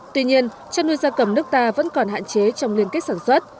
tuy nhiên chăn nuôi gia cầm nước ta vẫn còn hạn chế trong liên kết sản xuất